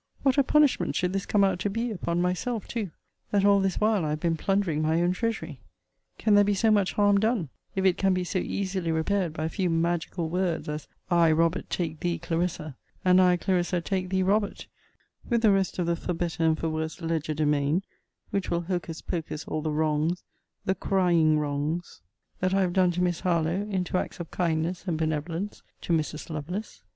What a punishment should this come out to be, upon myself too, that all this while I have been plundering my own treasury? And then, can there be so much harm done, if it can be so easily repaired by a few magical words; as I Robert take thee, Clarissa; and I Clarissa take thee, Robert, with the rest of the for better and for worse legerdemain, which will hocus pocus all the wrongs, the crying wrongs, that I have done to Miss Harlowe, into acts of kindness and benevolence to Mrs. Lovelace?